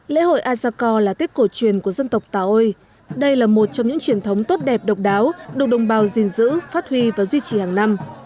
lễ hội asako là tết cổ truyền của dân tộc tào ôi đây là một trong những truyền thống tốt đẹp độc đáo được đồng bào gìn giữ phát huy và duy trì hàng năm